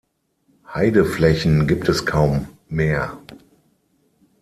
Heideflächen gibt es kaum mehr.